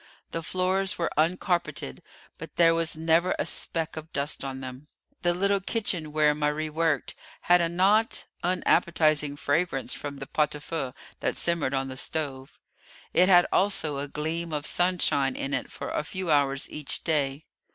The floors were uncarpeted, but there was never a speck of dust on them. The little kitchen where Marie worked had a not unappetising fragrance from the pot au feu that simmered on the stove; it had also a gleam of sunshine in it for a few hours each day.